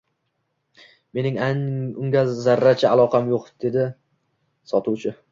Mening unga zarracha aloqam yo`q, dedi em sotuvchi